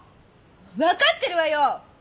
分かってるわよ！